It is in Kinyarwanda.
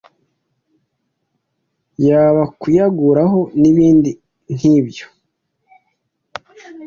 Yaba kuyagura nibindi nk’ibyo